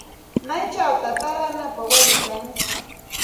¿Maychawta taaranapaq wayi kan?